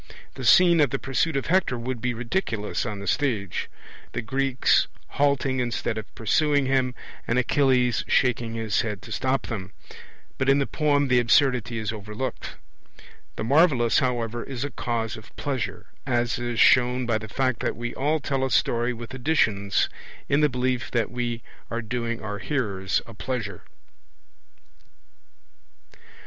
The scene of the pursuit of Hector would be ridiculous on the stage the Greeks halting instead of pursuing him, and Achilles shaking his head to stop them; but in the poem the absurdity is overlooked. The marvellous, however, is a cause of pleasure, as is shown by the fact that we all tell a story with additions, in the belief that we are doing our hearers a pleasure.